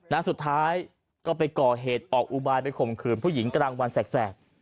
นะสุดท้ายก็ไปก่อเหตุออกอุบายไปข่มขืนผู้หญิงกลางวันแสก